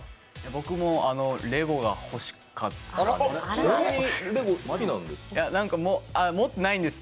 僕もレゴが欲しかったです。